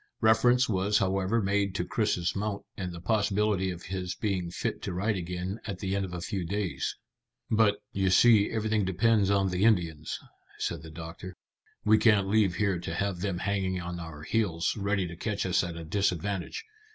Reference was however made to Chris's mount and the possibility of his being fit to ride again at the end of a few days. "But, you see, everything depends on the Indians," said the doctor. "We can't leave here to have them hanging on our heels, ready to catch us at a disadvantage.